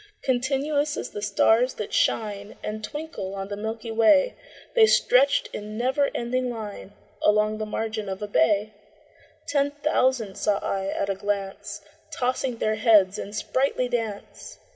Continuous as the stars that shine And twinkle on the milky way, The stretched in never ending line Along the margin of a bay: Ten thousand saw I at a glance, Tossing their heads in sprightly dance.